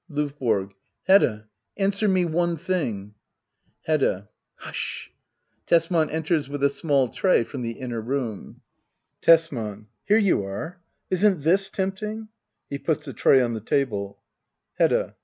LdVBORO. Hedda — answer me one thing Hedda. Hush ! [Tesman enters with a small tray from the inner room, Tesman. Here you are ! Isn't this tempting ? [He puis the tray on the table, Hedda.